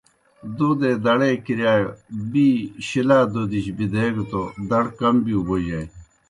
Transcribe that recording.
دوْدے دڑے کِرِیا بِی شِلا دوْدِجیْ بِدیگہ توْ دَڑ کم بِیؤ بوجانیْ۔